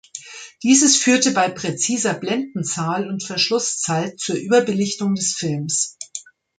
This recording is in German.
Dieses führte bei präziser Blendenzahl und Verschlusszeit zur Überbelichtung des Films.